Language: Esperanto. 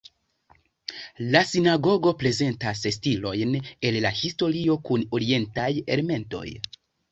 La sinagogo prezentas stilojn el la historio kun orientaj elementoj.